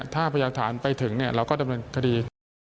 ถ้าพยานฐานไปถึงเราก็จะเป็นคดี